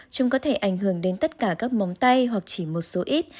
chúng có thể ảnh hưởng đến tất cả các món tay hoặc chỉ một số ít